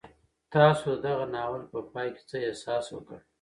تاسو د دغه ناول په پای کې څه احساس وکړ؟